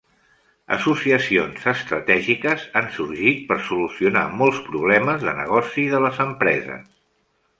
Associacions estratègiques han sorgit per solucionar molts problemes de negoci de les empreses.